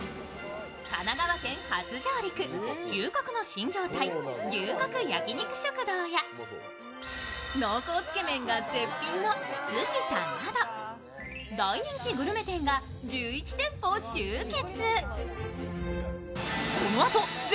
神奈川県初上陸、牛角の新業態、牛角焼肉食堂や濃厚つけ麺が絶品のつじ田など、大人気グルメ店が１１店舗集結。